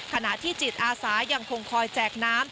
ขณะที่จิตอาสายังคงคอยแจกน้ำ